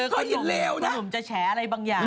ก็อิ่มลีบเร็วนะคือคุณขนมจะแฉอะไรบางอย่าง